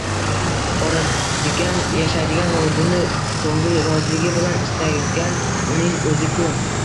Boradigan, yashaydigan va buni ko'ngil rizoligi bilan istagan uning o'zi-ku.